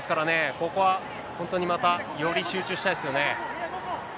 ここは本当にまた、より集中したいですよね。